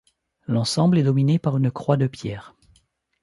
L'ensemble est dominé par une croix de pierre.